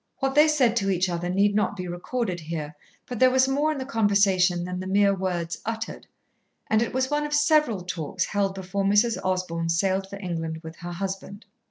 What they said to each other need not be recorded here, but there was more in the conversation than the mere words uttered, and it was one of several talks held before Mrs. Osborn sailed for England with her husband.